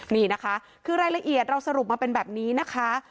นี่นะคะคือรายละเอียดเราสรุปมาเป็นแบบนี้นะคะ